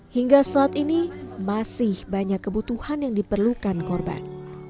hingga saat ini masih banyak kebutuhan yang diperlukan korban